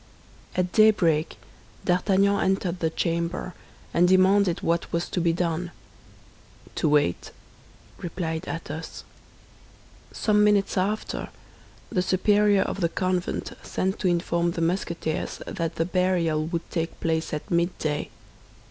At daybreak D'Artagnan entered the chamber, and demanded what was to be done. "To wait," replied Athos. Some minutes after, the superior of the convent sent to inform the Musketeers that the burial would take place at midday.